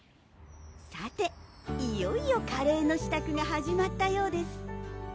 さていよいよカレーの支度が始まったようです